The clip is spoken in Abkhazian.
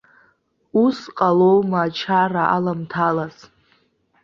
Ус ҟалома ачара аламҭалаз.